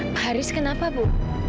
pak haris kenapa bu